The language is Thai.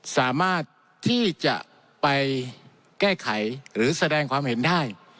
สามารถที่จะไปแก้ไขหรือแสดงความเห็นได้